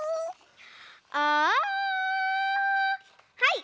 はい。